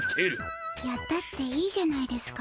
やったっていいじゃないですか。